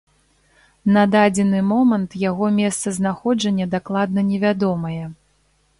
На дадзены момант яго месцазнаходжанне дакладна невядомае.